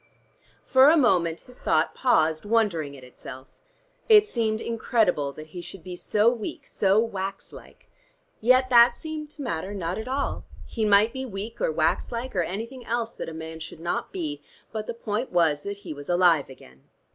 For a moment his thought paused, wondering at itself. It seemed incredible that he should be so weak, so wax like. Yet that seemed to matter not at all. He might be weak or wax like, or anything else that a man should not be, but the point was that he was alive again.